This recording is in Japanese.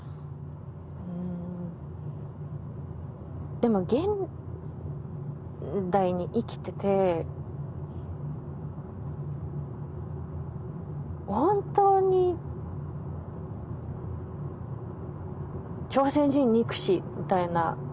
でも現代に生きてて本当に朝鮮人憎しみたいなことを考えるか？